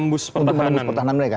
untuk menembus pertahanan mereka